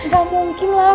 ga mungkin lah